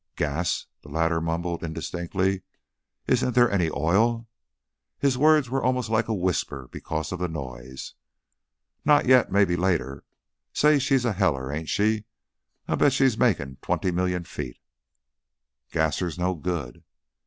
"Gas?" the latter mumbled, indistinctly. "Isn't there any oil?" His words were almost like a whisper because of the noise. "Not yet. May be later. Say, she's a heller, ain't she? I'll bet she's makin' twenty million feet " "Gasser's no good."